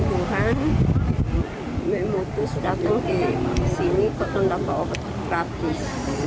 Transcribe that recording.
saya harus datang ke sini untuk mendapat obat gratis